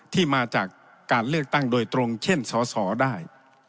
ที่มาจากการเลือกตั้งโดยตรงเช่นสอสอได้